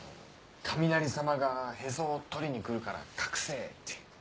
「雷さまがへそを取りに来るから隠せ」って。